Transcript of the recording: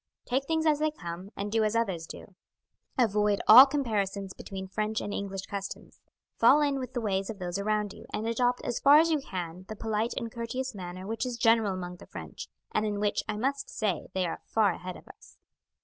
Take things as they come and do as others do; avoid all comparisons between French and English customs; fall in with the ways of those around you; and adopt as far as you can the polite and courteous manner which is general among the French, and in which, I must say, they are far ahead of us.